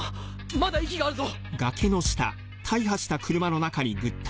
まだ息があるぞ！